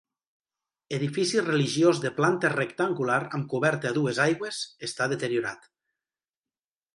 Edifici religiós de planta rectangular amb coberta a dues aigües, està deteriorat.